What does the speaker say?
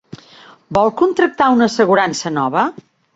Vol contractar una assegurança nova?